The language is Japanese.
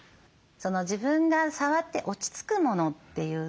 自分が触って落ち着くものっていうね